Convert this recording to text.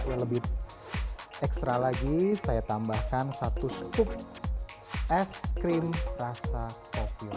yang lebih ekstra lagi saya tambahkan satu scoop es krim rasa kopi